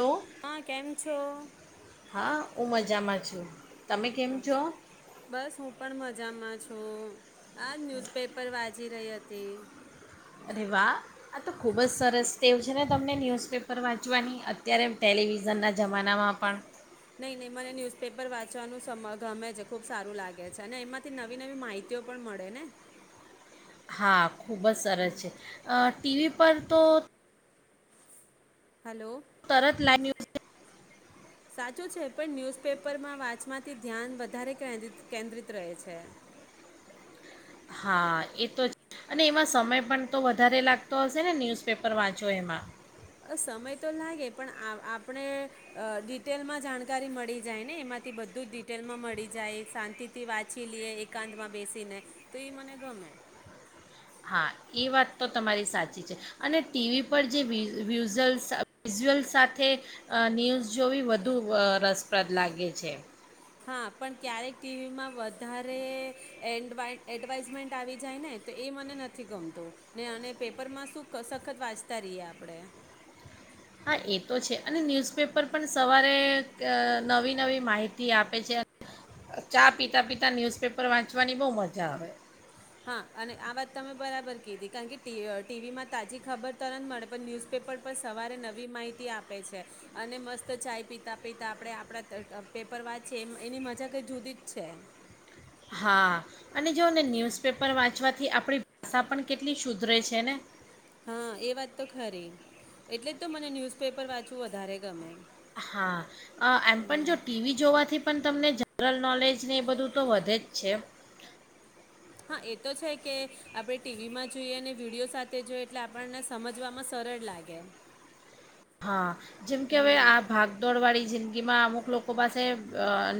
તો હા કેમ છો? હા હું મજામાં છું. તમે કેમ હા છો બસ હું પણ મજામાં છું. આ ન્યૂઝપેપર વાચી રહી હતી. તે. અરે વાહ આ તો ખૂબ જ સરસ તેટેવું છે ને તમને ન્યૂઝપેપર વાંચવાની અત્યારે ટેલિવિઝનના જમાનામાં પણ. નહી નહી મને ન્યુઝપેપર વાંચવાનું ગમે છે ખુબ સારું લાગે છે અને એમાંથી નવી નવી માહિતીઓ પણ મળે ને. હા. ખૂબ જ સરસ છે. ટીવી પર તો હલો તરત લાઈ. [inaudible] સાચું છે પણ ન્યૂઝપેપરમાં વાંચમાંથી ધ્યાન વધારે કેન્દ્રિત રહે છે. હા એ તો અને એમાં સમય પણ તો વધારે લાગતો હશે ને ન્યૂઝપેપર વાંચો એમાં. અ સમય તો લાગે પણ આપણે ડિટેલમાં જાણકારી મળી જાય ને એમાંથી બધું જ ડિટેલમાં મળી જાય શાંતિથી વાંચી લઈએ એકાંતમાં બેસીને તો એ મને ગમે. હા એ વાત તો તમારી સાચી છે અને ટીવી પર જે વિઝઅલ વિઝુઅલ સાથે ન્યૂઝ જોવી વધુ રસપ્રદ લાગે છે. હા પણ ક્યારેક ટીવીમાં વધારે એન્ડવાયન એડવાઇઝમેન્ટ આવી જાય ને તો એ મને નથી ગમતું ને અને પેપરમાં શું સખત વાંચતા રહીએ આપણે. હા એ તો છે અને ન્યૂઝપેપર પણ સવારે નવી નવી માહિતી આપે છે, ચા પીતા પીતા ન્યૂઝપેપર વાંચવાની બહુ મજા આવે. હા અને આ વાત તમે બરાબર કીધી કારણ કે ટી ટીવીમાં તાજી ખબર તરત જ મળે પણ ન્યૂઝપેપર પર સવારે નવી માહિતી આપે છે અને મસ્ત ચાય પીતા પીતા આપણે આપણા પેપર વાંચીએ એ એની મજા કંઈ જુદી જ છે. હા અને જો ને ન્યૂઝપેપર વાંચવાથી આપણી ભાષા પણ કેટલી શુધરે છે ને. હા એ વાત તો ખરી એટલે જ તો મને ન્યુઝપેપર વાંચવું વધારે ગમે. હા એમ પણ જો ટીવી જોવાથી પણ તમને જનરલ નોલેજને એ બધું તો વધે જ છે. હા એ તો છે કે આપણે ટીવીમાં જોઈએ અને વિડીયો સાથે જોઈ એટલે આપણને સમજવામાં સરળ લાગે એમ. હા જેમ કે હવે આ ભાગદોડ વાળી જગ જગ્યામાં અમુક લોકો પાસે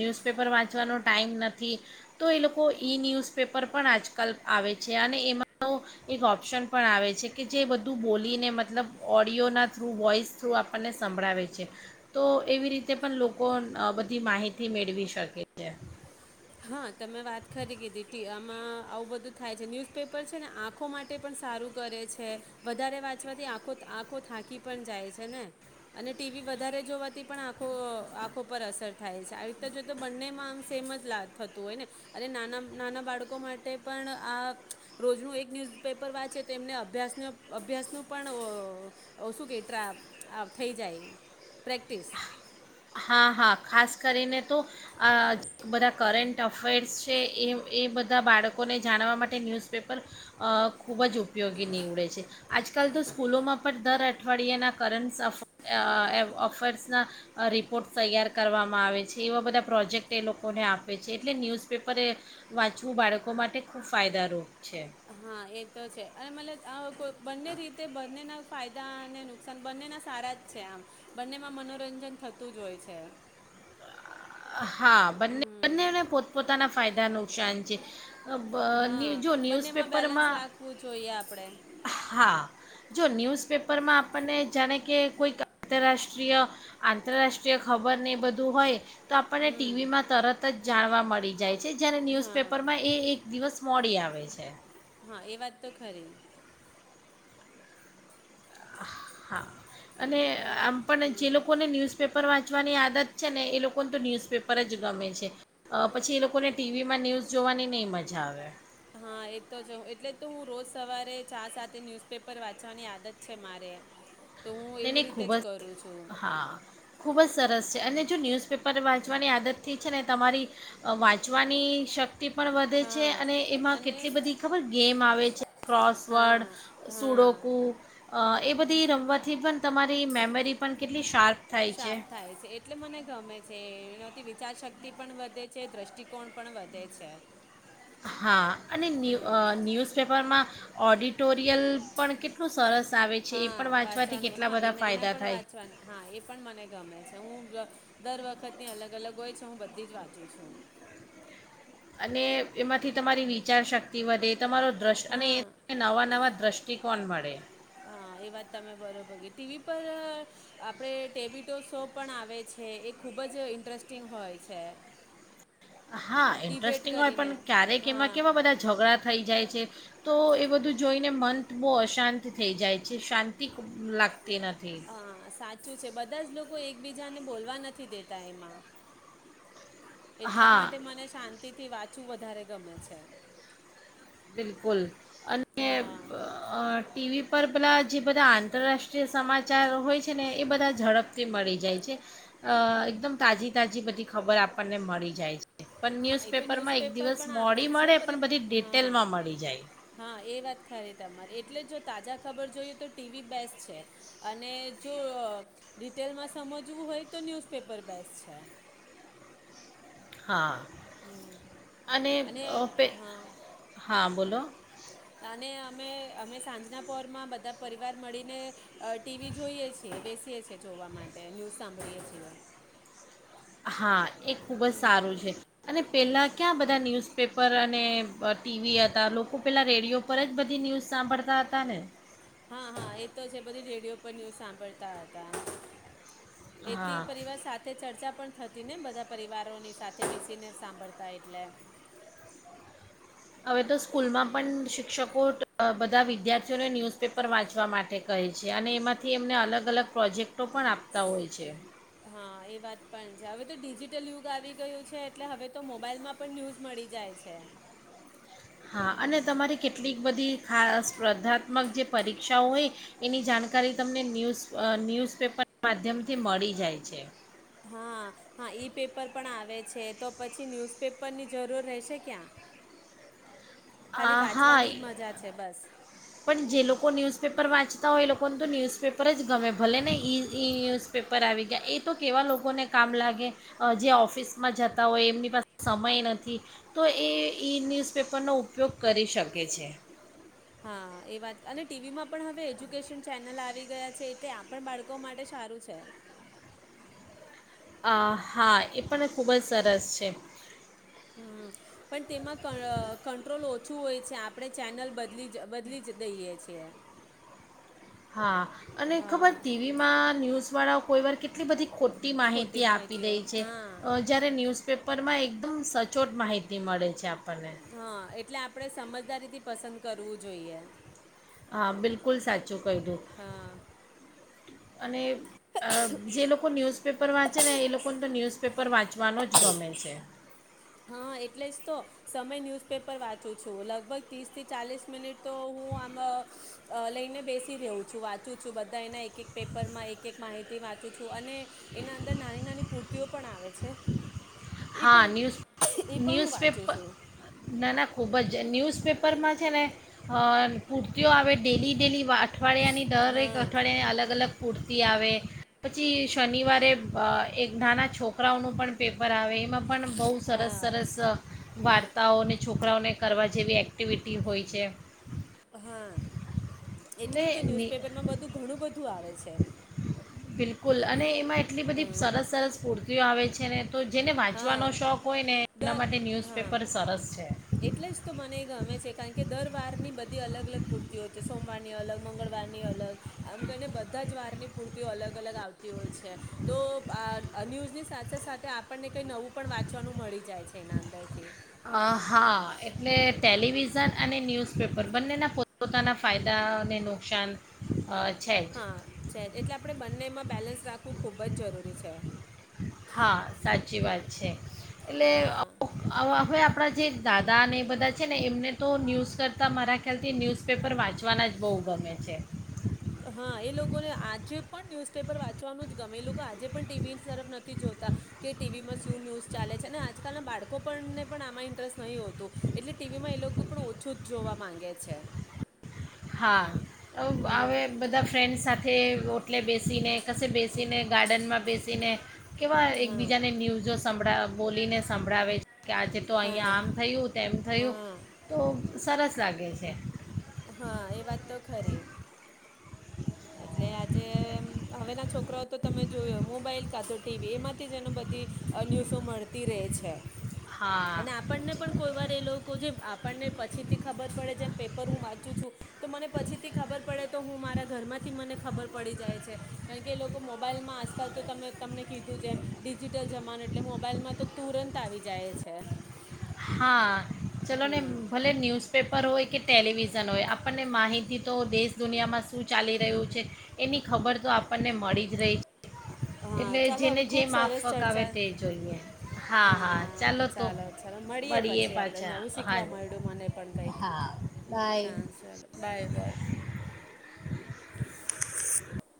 ન્યૂઝપેપર વાંચવાનો ટાઈમ નથી, તો એ લોકો ઇ ન્યૂઝપેપર પણ આજકાલ આવે છે અને એમાં એક ઓપ્શન પણ આવે છે કે જે બધું બોલીને મતલબ ઓડિયોના થ્રુ વોઇસ થ્રુ આપણને સંભળાવે છે, તો એવી રીતે પણ લોકો બધી માહિતી મેળવી શકે છે. હા તમે વાત ખરી કીધી ટી આમાં આવું બધું થાય છે. ન્યૂઝપેપર છે ને આંખો માટે પણ સારું કરે છે વધારે વાંચવાથી આખો આંખો થાકી પણ જાય છે ને અને ટીવી વધારે જોવાથી પણ આંખો આંખો પર અસર થાય છે. આવી રીતે જો તો બંનેમાં આમ સેમ જ લાગ થતું હોય ને અને નાના નાના બાળકો માટે પણ આ રોજનું એક ન્યૂઝપેપર વાંચે તો એમને અભ્યાસનો અભ્યાસનું પણ શું કે ટ્રા થઈ જાય પ્રેક્ટિસ. હા હા ખાસ કરીને તો આ બધા કરેન્ટ અફેર્સ છે એ એ બધા બાળકોને જાણવા માટે ન્યૂઝપેપર ખૂબ જ ઉપયોગી નીવડે છે. આજકાલ તો સ્કૂલોમાં પણ દર અઠવાડિયાના કરંસ અફેર્સના રિ પોર્ટ તૈયાર કરવામાં આવે છે. એવા બધા પ્રોજેક્ટ એ લોકોને આપે છે એટલે ન્યૂઝપેપર એ વાંચવું બાળકો માટે ખૂબ ફાયદારૂપ છે. હા એ તો છે અને મતલબ બંને રીતે બંનેના ફાયદા અને નુકસાન બંનેના સારા જ છે આમ બંનેમાં મનોરંજન થતું જ હોય છે. હા બંને હમ બંનેને પોતપોતાના ફાયદા નુકસાન છે. ન્ય હા જો બંનેમાં બેલેન્સ ન્યૂઝપેપરમાં રાખવું જોઈએ આપણે હા જો ન્યૂઝ ન્યૂઝપેપરમાં આપણને જાણે કે કોઈક આંતરરાષ્ટ્રીય આંતરરાષ્ટ્રીય ખબર ને એ બધું હોય તો આપણને ટીવીમાં તરત જ જાણવા મળી જાય. છે જય્યારે હા ન્યુઝપેપરમાં એ એક દિવસ મોડી આવે છે. હા એ વાત તો ખરી. હા. અને હલો આમ પણ જે હમ લોકોને ન્યૂઝપેપર વાંચ વાચવાની આદત છે ને એ લોકોને તો ન્યૂઝપેપર જ ગમે છે. પછી એ લોકોને ટીવીમાં ન્યૂઝ જોવાની નહીં મજા આવે હા એતો જ હું એટલે તો હું રોજ સવારે ચા સાથે ન્યુઝપેપર વાંચવાની આદત છે મારે. તો હું એવી એને રીતે ખુબ જ કરું છું હા ખુબ જ સરસ છે અને જો ન્યૂઝપેપર વાંચવાની આદતથી છે ને તમારી વાંચવાની શક્તિ તે પણ વધે છે હા અને એમાં અને કેટલી બધી ખબર ગેમ આવે છે હા ક્રોસવર્ડ, હા સુડોકું એ બધી રમવાત થી પણ તમારી મેમરી પણ કેટલી શાર્પ થાય છે શાર્પ થાય છે એટલે મને ગમે છે. થી વિચાર શક્તિ પણ વધે છે દ્રષ્ટિકોણ પણ વધે છે હા અને હમ ન્યૂ ન્યૂઝપેપરમાં ઓડિટોર સરિયલ પણ કેટલું સરસ આવે છે એ પણ હા વાંચવાથી વાંચવાનું કેટલા હા બધા એના એના ફાયદા પણ થાય વાંચવાના હા એ પણ મને ગમે હું દર વખત ની અલગ અલગ હોય છે હું બધી જ વાંચું છું અને એમાંથી તમારી વિચારશક્તિ વધે. તમારો દ્રશ અને હા એ નવા નવા દ્રશ્ટ ક કોણ મડે. હા એ વાત તમે બરોબર ટી વી પર આપણે ટેબીટો શો પણ આવે છે એ ખુબ જ ઇન્ટરેસ્ટિંગ હોય છે. હા ડિબેટ ઇન્ટરેસ્ટિંગ હોય કરીને પણ ક્યારેક એમાં હા કેવા બધા ઝઘડા થઈ જાય છે. તો એ બધું જોઈને મન બહુ અશાંત થઈ જાય છે શાંતિ. લાગતી નથી. ચુ છે બધા જ લોકો એકબીજાને બોલવા નથી દેતા એમાં. એટલા હા માટે મને શાંત તિથી વાંચું વધારે ગમે છે. બિલકુલ અને હા અ ટીવી પર પેલા જે બધા આંતરરાષ્ટ્રીય સમાચાર હોય છે ને એ બધા ઝડપથી મળી જાય છે. અ એકદમ તાજી તાજી બધી ખબર આપણને મળી જાય છે. પણ હા એ તો ન્યૂઝપેપર માં એક દિવસ પણ આપે મોડી જ છે મળે પર એ પણ બધી ડેટ હા, હા એ વાત ખરી તમારે. એટલે જો તાજા ખબર જોઈએ તો ટીવી બેસ્ટ છે અને જો ડિટેલમાં સમજવું હોય તો ન્યૂઝપેપર બેસ્ટ છે. હા. અને અ પે હા હા. બોલો. અને અમે અમે સાંજના પોરમાં બધા પરિવાર મળીને અ ટીવી જોઈએ છીએ, બેસીએ છીએ જોવા માટે ન્યૂઝ સાંભળીએ છીએ. હા એ ખુબ જ હમ સારું છે અને પેલા ક્યાં બધા ન્યૂઝપેપર અને અ ટી વી હતા લોકો પેલા રેડિયો પર જ બધી ન્યૂઝ સાંભળતા હતા ને. હા હા એ તો છે બધી રેડિયો પર ન્યૂઝ સાંભળતા હતા. એથી હા પરિવાર સાથે ચર્ચા પણ થતી ને બધા પરિવારોની સાથે બેસીને સાંભળતા એટલે. હવે તો સ્કૂલમાં પણ શિક્ષકો બધા વિદ્યાર્થીઓને ન્યૂઝપેપર વાંચવા માટે કહે છે અને એમાંથી એમને અલગ અલગ પ્રોજેક્ટો પણ આપતા હોય છે. હા એ વાત પણ છે હવે તો ડિજિટલ યુગ આવી ગયું છે એટલે હવે તો મોબાઈલમાં પણ ન્યૂઝ મળી જાય છે. હા અને તમારી કેટલીક બધી ખાસ સ્પર્ધાત્મક જે પરીક્ષાઓ હોય એની જાણકારી તમને ન્યૂઝ અ ન્યૂઝપેપર માધ્યમથી મળી જાય છે. હા હા ઈ પેપર પણ આવે છે તો પછી ન્યુઝપેપરની જરૂર રહેશે ક્યાં? ખાલી આ હા વાંચવાની જ મજા છે બસ. પણ જે લોકો ન્યૂઝપેપર વાંચતા હોય એ લોકોને તો ન્યૂઝપેપર જ ગમે ભલે ને ઈ ઈ ન્યૂઝપેપર આવી ગયા એ તો કેવા લોકોને કામ લાગે અ જે ઓફિસમાં જતા હોય એમની પાસે સમય નથી તો એ ઈ ન્યૂઝપેપરનો ઉપયોગ કરી શકે છે. હા એ વાત અને ટી વીમાં પણ હવે એજ્યુકેશન ચેનલ આવી ગયા છે એટ આપણ બાળકો માટે સારું છે. અ હા એ પણ ખૂબ જ સરસ છે. હમ્મ પણ તેમાં ક અ કંટ્રોલ ઓ છું હોય છે આપણે ચેનલ બદલી જ બદલી જ દઈએ છીએ. હા. અને ખબર હા ટી વીમાં ન્યૂઝ વાળા હોય વાર કેટલી બધી ખોટ ટી ખોટી માહિતી આપી માહિતીઓ દઈ છે. હા જ્યારે ન્યૂઝ પેપરમાં એકદમ સચોટ માહિતી મળે છે આપ હા એટલે આપડે સમજદારીથી પસંદ કરવું જોઈએ. હા બિલકુલ સાચું કદુ. હા અને અ જે લોકો ન્યુઝપેપર વાંચે ને એ લોકોને તો ન્યુઝ પેપર વાંચવાનો જ ગમે છે. હા એટલે જ તો, સમય ન્યૂઝપેપર વાંચું છું લગભગ ત્રીસ થી ચાલીસ મિનિટ તો હું આમાં, લઈને બેસી રહઉ છું વાંચું છું બધા એના એક એક પેપરમાં એક એક માહિતી વાંચું છું અને, એના અંદર નાની નાની પૂર્તિઓ પણ આવે છે. એ હા પણ ન્યુઝ એ પણ હું ન્યૂઝ પેપ વાંચું છું નાના ખોબર. ન્યૂઝપેપરમાં છે ને, પૂરતીઓ આવે ડેલી ડેલી વાત અઠવાડિયાની દર એકક હા અઠવાડિયાને અલગ અલગ પૂરતી આવે, પછી શનિવારે એક નાના છોકરાઓનું પણ પેપર આવે. એમાં પણ બહુ સરસ હા સરસ. વાર્તાઓને છોકરાઓને કરવા જેવી એક્ટિવિટી હોય છે. હા, એટલે જ તો ન્યુઝપેપરમાં બધું ઘણું બધું આવે. છે બિલકુલ અને એમાં એટલી બધી હા સરસ સરસૂતિ આવે છે ને તો જેને વાંચવાનો હા શોખ હોય ને એના માટે દર હા ન્યૂઝપેપર સરસ છે. એટલે જ તો મને એ ગમે છે કારણ કે દર વારની બધી અલગ અલગ પૂર્તિઓ હોય છે સોમવારની અલગ મંગળવારની અલગ આમ કરીહીને બધા જ વારની પૂર્તિઓ અલગ અલગ આવતી હોય છે તો આ ન્યૂઝની સાથે સાથે આપ આપણને કંઈ નવું પણ વાંચવાનું મળી જાય છે એના અંદરથી હા એટલે ટેલિવિઝન અને ન્યૂઝપેપર બંનેના પોતપોતાના ફાયદાને નુકસાન અ, છે જ હા છે એટલે આપડે બંને એમાં બેલેન્સ રાખવું. ખૂબ જ જરૂરી છે. હા સાચી વાત છે. એટલે હા આપણા જે દાદા અને એ બધા છે ને એમને તો ન્યૂઝ કરતા મારા ખ્યાલથી ન્યૂઝપેપર વાંચવાના જ બહુ ગમે છે. હા એ લોકોને આજે પણ ન્યુઝપેપરચ વા ગમે એ લોકો આજે પણ ટીવી તરફ નથી. જોતા કે ટીવીમાં શુ ન્યુઝ ચાલે છે અને આજકાલના બાળકો પણને પણ આમાં ઇન્ટરેસ્ટ નહહી હોતું એટલે ટીવીમાં એ લોકો પણ ઓછું જ જોવા માંગે છે. હા. હમ હ બધા ફ્રેન્ડસ સાથે ઓટલે બેસીને કશે બેસીને ગાર્ડનમાં બેસીને કેવા હા એકબીજાને ન્યુઝ સંભળાવ બોલીને સંભળાવે છે કે આજે તો અહીં હા આમ થયું તેમ થયું હા તો સરસ લાગે છે છે હા એ વાત તો ખરી એટલે આજે હવેના છોકરાઓ તો તમે જોયો મોબાઈલ કાં તો ટીવી એમાંથી જ એને બધી ન્યૂઝો મળતી રહે છે હા અને આપણને પણ કોઈ વાર એ લોકો જે આપણને પછીથી ખબર પડે છેમ પર હું વાંચું છું તો મને પછીથી ખબર પડે તો હું મારા ઘરમાંથી મને ખબર પડી જાય છે કારણ કે એ લોકો મોબાઈલમાં આજકાલ તો તમે તમને કીધું છે એમ ડિજિટલ જમાનો એટલે મોબાઈલમાં તો તુરંત આવી જાય છે હા ચલો ને હા ભલે ન્યૂઝપેપર હોય કે ટેલિવિઝન હોય આપણને માહિતી તો દેશ દુનિયામાં શું ચાલી રહ્યું છે એની ખબર તો આપણને મળી જ રહી છે હા એટલે ચાલો જેને હવે જે ખુબ સરસ માફક આવે ચર્ચા તે જોઈએ હા ચાલો ચાલો મળીએ પછી આપડે પાછા નવું હા શીખવા માં્યું મને પણ કઈક હા બાય હા ચાલો બાય બાય